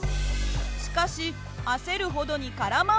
しかし焦るほどに空回り。